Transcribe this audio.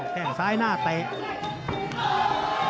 แค่งซ้ายหน้าเตะ